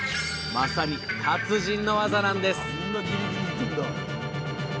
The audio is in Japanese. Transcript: まさに達人の技なんです